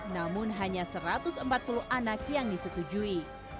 namun hanya satu ratus empat puluh anak yang disetujui